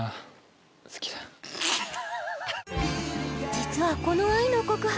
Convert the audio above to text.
実はこの愛の告白